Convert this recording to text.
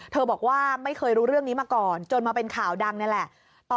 บอกว่าไม่เคยรู้เรื่องนี้มาก่อนจนมาเป็นข่าวดังนี่แหละ